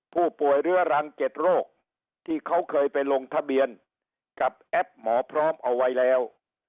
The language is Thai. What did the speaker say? ผู้ป่วยเรื้อรัง๗โรคที่เขาเคยไปลงทะเบียนกับแอปหมอพร้อมเอาไว้แล้ว